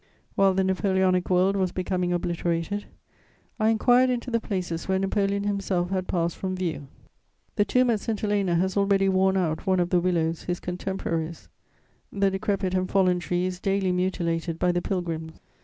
* While the Napoleonic world was becoming obliterated, I inquired into the places where Napoleon himself had passed from view. The tomb at St. Helena has already worn out one of the willows his contemporaries: the decrepit and fallen tree is daily mutilated by the pilgrims.